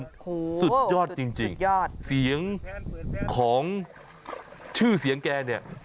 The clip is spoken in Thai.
โอ้โฮสุดยอดจริงซึ่งของชื่อเสียงแกเนี่ย